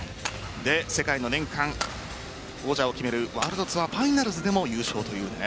世界の年間王者を決めるワールドツアーファイナルズでも優勝という。